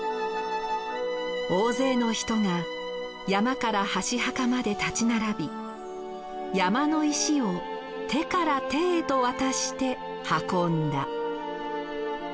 「大勢の人が山から箸墓まで立ち並び山の石を手から手へと渡して運んだ」。